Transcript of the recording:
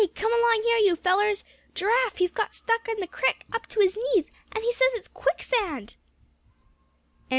come along here, you fellers; Giraffe, he's got stuck in the crick, up to his knees, and he says it's quicksand!"